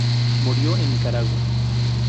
Murió en Nicaragua.